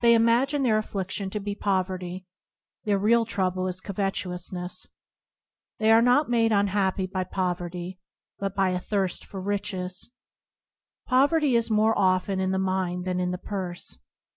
They im [42 ] IBoDp ano Circumstance agine their affli&ion to be poverty; their real trouble is covetousness^ They are not made unhappy by poverty, but by the thirst for riches. Poverty is more often in the mind than in the purse.